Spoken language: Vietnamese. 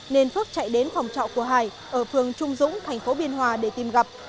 nên phước chạy đến phòng trọ của hải ở phường trung dũng thành phố biên hòa để tìm gặp